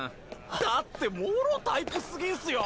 だってもろタイプすぎんすよ？